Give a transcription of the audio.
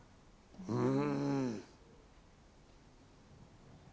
うん。